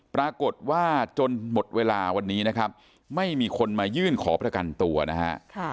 ปรากฏว่าจนหมดเวลาวันนี้นะครับไม่มีคนมายื่นขอประกันตัวนะฮะ